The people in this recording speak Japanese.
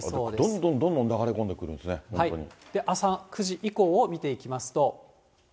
どんどんどんどん流れ込んでくるんですね、朝９時以降を見ていきますと。